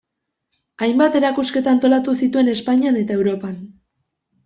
Hainbat erakusketa antolatu zituen Espainian eta Europan.